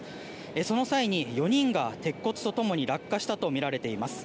その際に４人が鉄骨とともに落下したとみられています。